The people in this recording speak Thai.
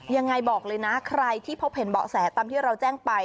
ยังไงบอกเลยนะใครที่พบเห็นเบาะแสตามที่เราแจ้งไป